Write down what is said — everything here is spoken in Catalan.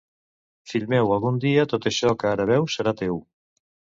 Fill meu, algun dia tot això que ara veus serà teu.